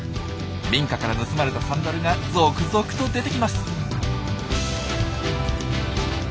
民家から盗まれたサンダルが続々と出てきます。